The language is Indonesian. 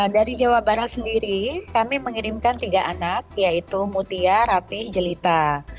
dari jawa barat sendiri kami mengirimkan tiga anak yaitu mutia rapih jelita